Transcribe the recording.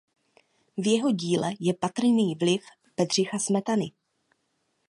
V jeho díle je patrný vliv Bedřicha Smetany.